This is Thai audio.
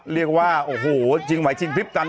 เรียกว่าโอ้โหจริงไหวจริงพริบตัน